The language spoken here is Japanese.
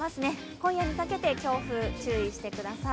今夜にかけて、強風、注意してください。